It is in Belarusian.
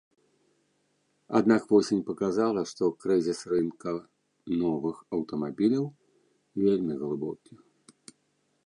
Аднак восень паказала, што крызіс рынка новых аўтамабіляў вельмі глыбокі.